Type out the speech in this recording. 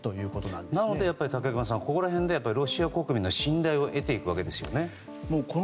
なので武隈さんここらへんでロシア国民の信頼を得ていくわけですよね。